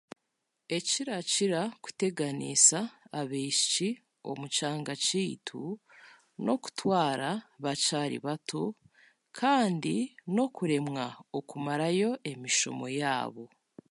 Ekirakira kuteganiisa abaishiki omu kyanga kyeitu, n'okutwaara bakyari bato kandi n'okuremwa okumarayo emishomo yaabo.